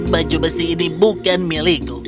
baju besi ini bukan milikku